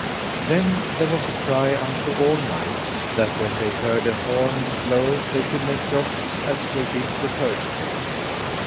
Then there was a cry unto all knights, that when they heard an horn blow they should make jousts as they did the first day.